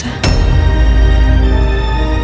aku disini al